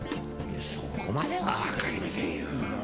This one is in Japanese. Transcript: そこまではわかりませんよ。